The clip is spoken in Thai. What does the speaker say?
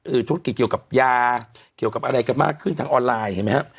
ธุรกิจเกี่ยวกับยาเกี่ยวกับอะไรกันมากขึ้นทางออนไลน์เห็นไหมครับ